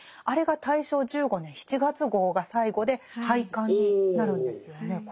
あれが大正１５年７月号が最後で廃刊になるんですよね。